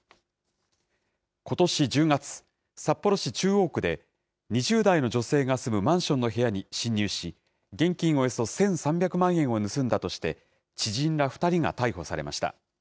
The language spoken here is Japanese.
ことし１０月、札幌市中央区で、２０代の女性が住むマンションの部屋に侵入し、現金およそ１３００万円を盗んだとして、知人ら２人が逮捕されました。